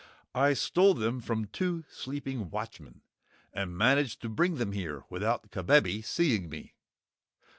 "I stole them from two sleeping watchmen, and managed to bring them here without Kabebe seeing me."